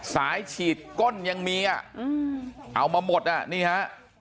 ฉีดก้นยังมีอ่ะเอามาหมดอ่ะนี่ฮะ